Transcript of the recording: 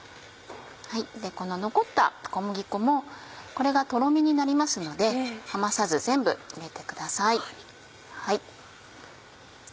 この残った小麦粉もこれがとろみになりますので余さず全部入れてください。